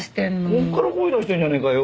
こっから声出してんじゃねえかよ。